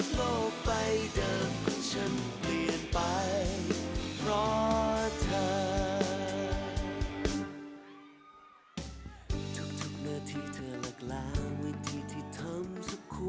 โลกไปเดิมของฉันเปลี่ยนไปเพราะเธอ